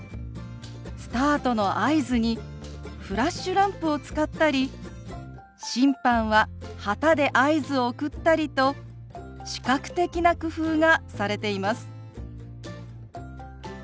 スタートの合図にフラッシュランプを使ったり審判は旗で合図を送ったりと視覚的な工夫がされています。